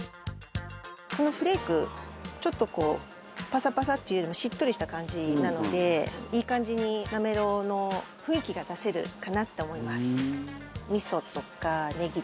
このフレークちょっとこうパサパサっていうよりもしっとりした感じなのでいい感じになめろうの雰囲気が出せるかなって思います。